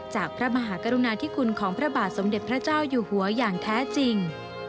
พระมหากรุณาธิคุณของพระบาทสมเด็จพระเจ้าอยู่หัวอย่างแท้จริง